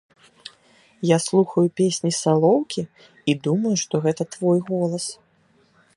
Я слухаю песні салоўкі і думаю, што гэта твой голас.